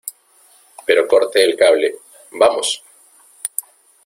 pero corte el cable, ¡ vamos!